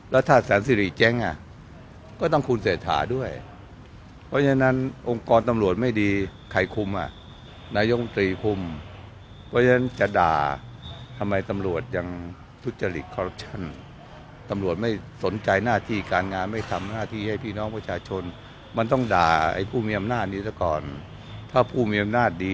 เดี๋ยวองค์คอร์นตำรวจมันก็ดีเห็นไหมอย่างเมื่อวานมีแห่งยิงกันตาย